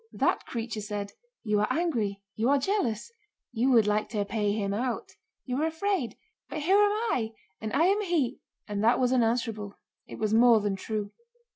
That creature said: "You are angry, you are jealous, you would like to pay him out, you are afraid—but here am I! And I am he..." and that was unanswerable. It was more than true.